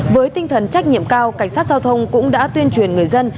với tinh thần trách nhiệm cao cảnh sát giao thông cũng đã tuyên truyền người dân